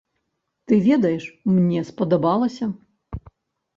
Ты ведаеш, мне спадабалася!